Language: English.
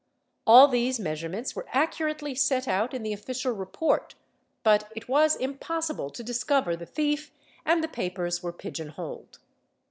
All these measurements were accurately set out in the official report but it was impossible to discover the thief and the papers were pigeonholed.